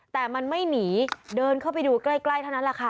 แต่มันไม่หนีเดินเข้าไปดูใกล้แถนนั้น